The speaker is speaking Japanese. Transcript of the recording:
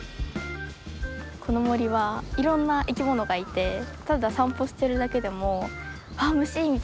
この森はいろんな生き物がいてただ散歩してるだけでも「ああ虫」みたいな感じで。